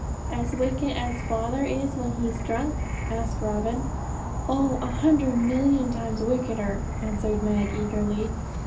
'As wicked as father is when he's drunk?' asked Robin. 'Oh, a hundred million times wickeder,' answered Meg eagerly.